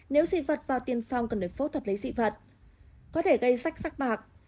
nếu dị vật vào tiền phòng cần được phốt thuật lấy dị vật có thể gây rắc rắc mạc